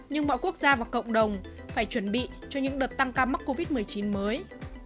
nhưng mọi quốc gia và cộng đồng phải chuẩn bị cho những đợt tăng ca mắc covid một mươi chín mới